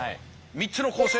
３つの構成で。